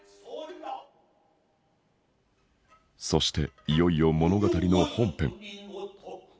そしていよいよ物語の本編。